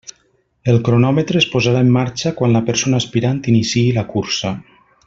El cronòmetre es posarà en marxa quan la persona aspirant iniciï la cursa.